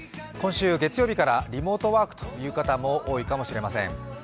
今週月曜日からリモートワークという方も多いかもしれません。